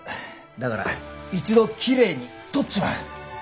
だから一度きれいに取っちまう。